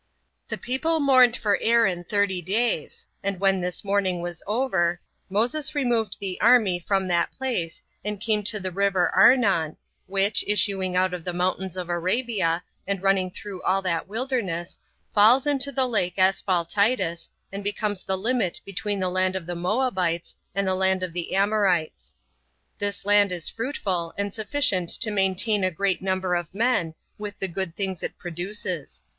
1. The people mourned for Aaron thirty days, and when this mourning was over, Moses removed the army from that place, and came to the river Arnon, which, issuing out of the mountains of Arabia, and running through all that wilderness, falls into the lake Asphaltitis, and becomes the limit between the land of the Moabites and the land of the Amorites. This land is fruitful, and sufficient to maintain a great number of men, with the good things it produces.